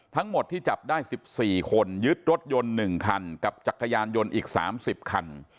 ทั้งหมดที่จับได้๑๔คนยึดรถยนต์๑คันกับจักรยานยนต์อีก๓๐คัน